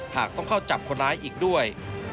หากต้องเข้าจับคนร้ายอีกด้วย